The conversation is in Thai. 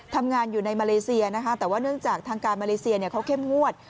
ทำงานอยู่ในมาเลเซียนะคะแต่ว่าเนื่องจากทางการมาเลเซียเขาเข้มงวด